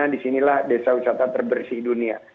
di sinilah desa wisata terbersih dunia